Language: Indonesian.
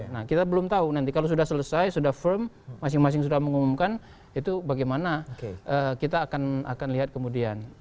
nah kita belum tahu nanti kalau sudah selesai sudah firm masing masing sudah mengumumkan itu bagaimana kita akan lihat kemudian